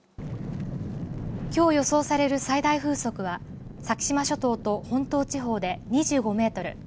きょう予想される最大風速は先島諸島と本島地方で２５メートル。